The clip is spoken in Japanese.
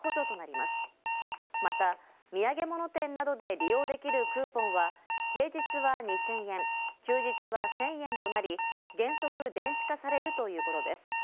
また土産物店などで利用できるクーポンは、平日は２０００円、休日は１０００円となり、原則電子化されるということです。